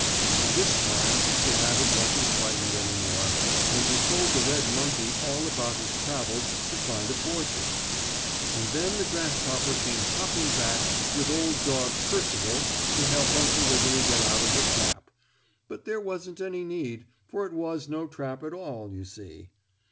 By this time the rabbit wasn't frightened any more, and he told the red monkey all about his travels to find a fortune. And then the grasshopper came hopping back with Old Dog Percival to help Uncle Wiggily get out of the trap, but there wasn't any need, for it was no trap at all, you see.